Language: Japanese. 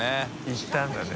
行ったんだね。